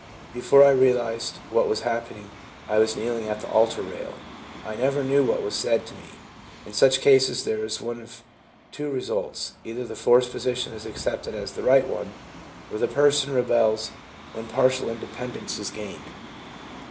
Before I realised what had happened, I was kneeling at the altar rail. I never knew what was said to me/ In such cases, there is one of two results; either the forced position is accepted as the right one, or the person rebels when partial independence is gained.